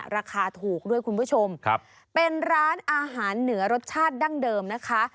ราคาถูกด้วยคุณผู้ชมครับเป็นร้านอาหารเหนือรสชาติดั้งเดิมนะคะ